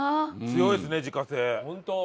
強いですね自家製。